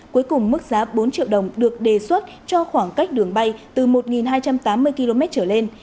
cuối cùng mức giá bốn triệu đồng được đề xuất cho khoảng cách đường bay từ một hai trăm tám mươi km trở lên